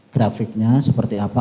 grafiknya seperti apa